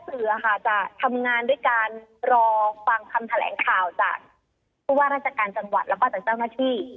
คือว่าราชการจังหวัดแล้วก็จากเจ้าหน้าที่